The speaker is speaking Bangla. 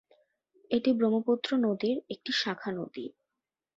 এটি ব্রহ্মপুত্র নদীর একটি শাখা নদী।